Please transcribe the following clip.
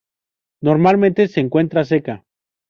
Normalmente se encuentra seca.